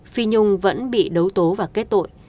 phi nhung vẫn bị đấu tố và kết tội